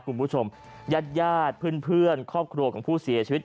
คุณผู้ชมญาติญาติเพื่อนครอบครัวของผู้เสียชีวิต